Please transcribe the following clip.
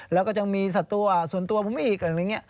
แล้วก็ยังมีสัตว์ส่วนตัวผมอีกอะไรแบบนี้